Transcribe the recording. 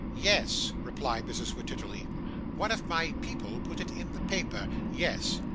'Yes,' replied Mrs. Wititterly, 'one of my people put it in the paper Yes.